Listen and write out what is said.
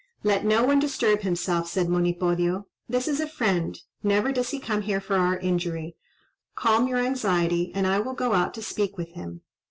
"Let no one disturb himself," said Monipodio. "This is a friend; never does he come here for our injury. Calm your anxiety, and I will go out to speak with him."